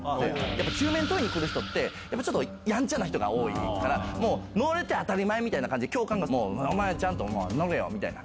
やっぱり中免取りに来る人って、やっぱちょっとやんちゃな人が多いから、もう、乗れて当たり前みたいな感じで、教官がもうお前ちゃんと乗れよみたいな。